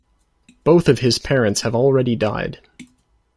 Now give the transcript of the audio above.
Both of his parents have already died.